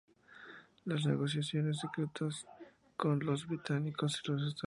Las negociaciones secretas con los británicos y los estadounidenses continuaron.